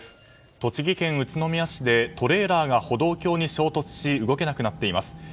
栃木県宇都宮市でトレーラーが歩道橋に衝突し動けなくなっています。